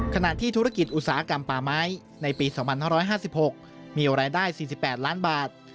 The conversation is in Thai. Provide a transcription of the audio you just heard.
ขณะที่ธุรกิจอุตสาหกรรมป่าไม้ในปี๒๕๕๖มีรายได้๔๘ล้านบาท